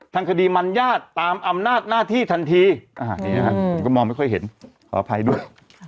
ทางคดีมันญาติตามอำนาจหน้าที่ทันทีผมก็มองไม่ค่อยเห็นขออภัยด้วย